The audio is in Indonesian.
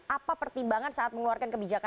apa pertimbangan saat mengeluarkan kebijakan